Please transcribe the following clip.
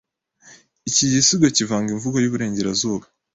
Iki gisigo kivanga imvugo yiburengerazuba